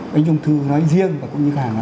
bánh trung tu nói riêng và cũng như hàng